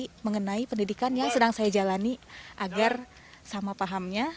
ini mengenai pendidikan yang sedang saya jalani agar sama pahamnya